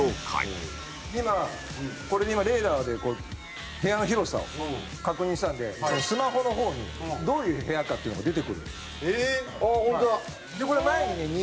土田：今、これ、レーダーで部屋の広さを確認したんでスマホの方にどういう部屋かっていうのが出てくるんですよ。